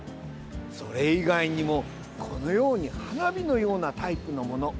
それ以外にも、このように花火のようなタイプのもの。